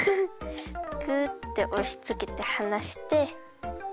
グッておしつけてはなして。